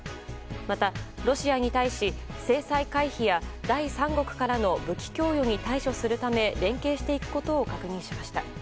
またロシアに対し、制裁回避や第三国からの武器供与に対処するため連携していくことを確認しました。